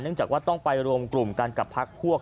เนื่องจากว่าต้องไปรวมกลุ่มกับพักพวก